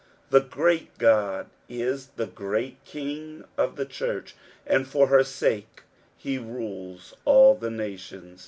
The great God is the great King of the church, und for her sake he rules all the nations.